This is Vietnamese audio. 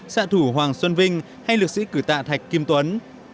xã thủ hoàng xuân vinh hay lực sĩ cử tạ thạch kim tuấn